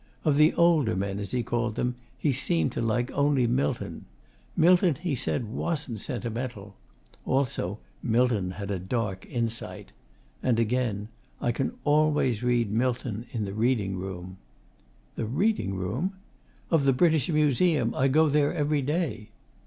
Of 'the older men,' as he called them, he seemed to like only Milton. 'Milton,' he said, 'wasn't sentimental.' Also, 'Milton had a dark insight.' And again, 'I can always read Milton in the reading room.' 'The reading room?' 'Of the British Museum. I go there every day.